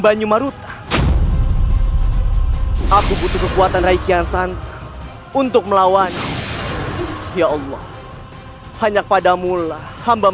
banyumaruta aku butuh kekuatan rakyat santan untuk melawan ya allah hanya padamulah hamba